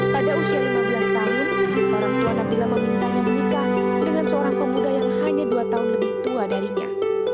pada usia lima belas tahun orang tua nabila memintanya menikah dengan seorang pemuda yang hanya dua tahun lebih tua darinya